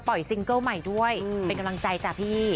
พลังไกลใหม่ด้วยเป็นกำลังใจ